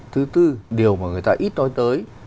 thứ tư điều mà người ta ít nói tới